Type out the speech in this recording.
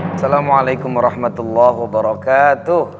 assalamualaikum warahmatullahi wabarakatuh